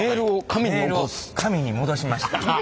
紙に戻しました。